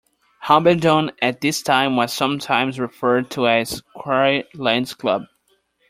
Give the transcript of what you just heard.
Hambledon at this time was sometimes referred to as "Squire Land's Club".